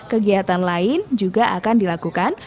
kegiatan lain juga akan dilakukan